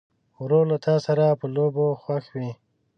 ورور له تا سره په لوبو خوښ وي.